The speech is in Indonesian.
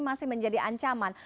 masih menjadi ancaman